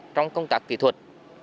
trong công tác kỹ thuật